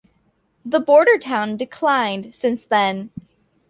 The border town declined since then.